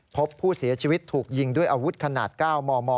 พบผู้เสียชีวิตถูกยิงด้วยอาวุธขนาด๙มม